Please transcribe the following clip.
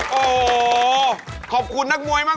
โอ้โหขอบคุณนักมวยมาก